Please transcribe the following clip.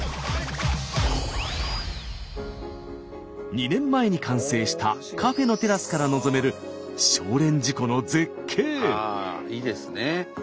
２年前に完成したカフェのテラスから望めるいいですね